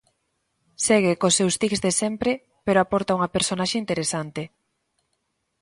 Segue cos seus tics de sempre pero aporta unha personaxe interesante.